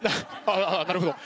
あっああなるほど。